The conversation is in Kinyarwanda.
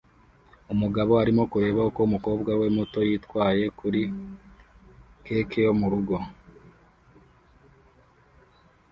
Umugabo arimo kureba uko umukobwa we muto yitwaye kuri cake yo mu rugo